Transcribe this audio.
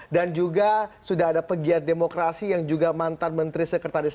dan juga sudah ada pegiat demokrasi yang juga mantan menteri sekretaris